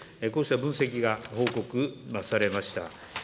こうした分析が報告なされました。